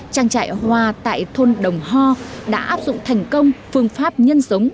trang trại hoa tại thôn đồng hoa đã áp dụng thành công phương pháp nhân sống